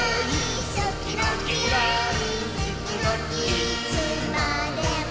「いつまでも」